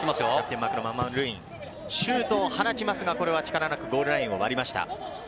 シュートを放ちますが、これは力なくゴールラインを割りました。